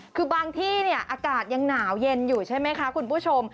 คือบางที่เนี่ยอากาศยังหนาวเย็นอยู่ใช่ไหมคะคุณผู้ชม